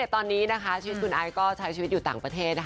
ตอนนี้นะคะชีวิตคุณไอซ์ก็ใช้ชีวิตอยู่ต่างประเทศนะคะ